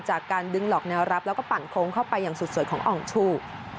จากการดึงหลอกแนวรับแล้วก็ปั่นโค้งเข้าไปอย่างสุดสวยของอ่องชู